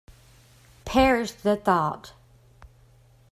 Perish the thought.